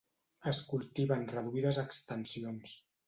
Es cultiva en reduïdes extensions.